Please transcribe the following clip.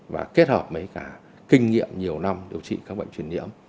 và kết hợp với cả kinh nghiệm nhiều năm điều trị các bệnh truyền nhiễm